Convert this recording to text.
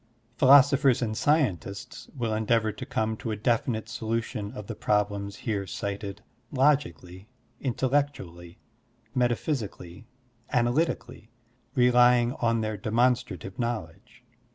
Philosophers and scientists will endeavor to come to a definite solution of the problems here cited logically, intellectually, metaphysically, analytically, rely ing on their demonstrative knowledge.